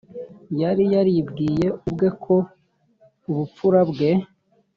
yari yaribwiye ubwe ko ubupfura bwe